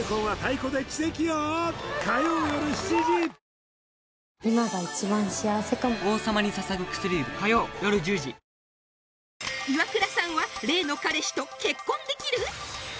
本仮屋さんがイワクラさんは例の彼氏と結婚できる？